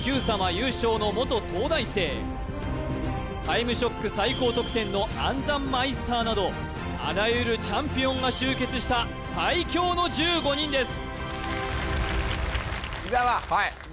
優勝の元東大生「タイムショック」最高得点の暗算マイスターなどあらゆるチャンピオンが集結した最強の１５人です